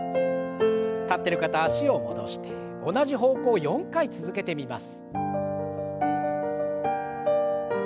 立ってる方脚を戻して同じ方向を４回続けてみます。